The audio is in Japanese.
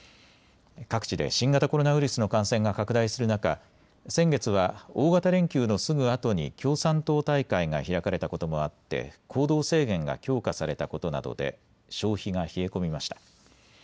各地で新型コロナウイルスの感染が拡大する中、先月は大型連休のすぐあとに共産党大会が開かれたこともあって行動制限が強化されたことなどで消費が冷え込みました。